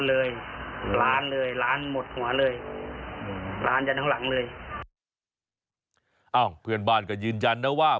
เพื่อนบ้านก็ยืนยันนะว่า